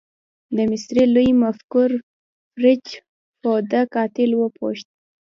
د مصري لوی مفکر فرج فوده قاتل وپوښت.